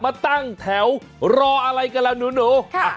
มาตั้งแถวรออะไรกันแล้วหนู